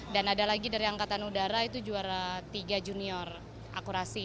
dan ada lagi dari angkatan udara itu juara tiga junior akurasi